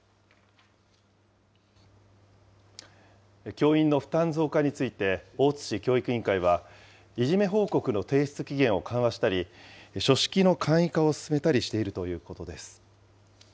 教員の負担増加について、大津市教育委員会は、いじめ報告の提出期限を緩和したり、書式の簡易化を進めたりしているということです。